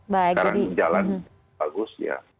sekarang jalan bagus